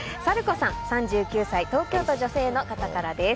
３９歳、東京都、女性の方です。